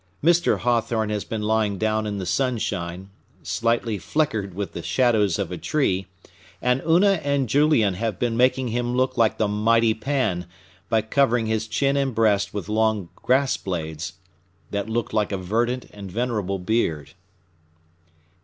Mr. Hawthorne has been lying down in the sun shine, slightly fleckered with the shadows of a tree, and Una and Julian have been making him look like the mighty Pan, by covering his chin and breast with long grass blades, that looked like a verdant and venerable beard."